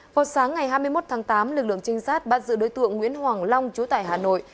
vào sáng ngày hai mươi một tháng tám lực lượng trinh sát bắt giữ đối tượng nguyễn hoàng long chú tại hà nội